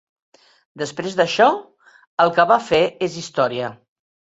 Després d'això, el que va fer és història.